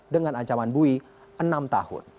dengan ancaman buit